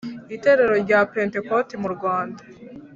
Itorero rya pentekote mu Rwanda